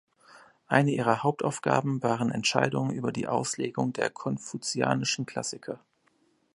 Eine ihrer Hauptaufgaben waren Entscheidungen über die Auslegung der konfuzianischen Klassiker.